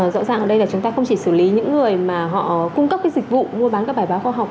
rõ ràng ở đây là chúng ta không chỉ xử lý những người mà họ cung cấp cái dịch vụ mua bán các bài báo khoa học